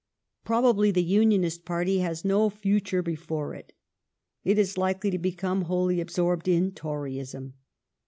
Probably the Unionist party has no future before it. It is likely to become wholly absorbed in Toryism.